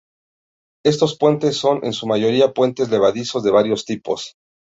Estos puentes son en su mayoría puentes levadizos de varios tipos.